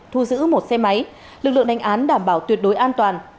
thu giữ một xe máy lực lượng đánh án đảm bảo tuyệt đối an toàn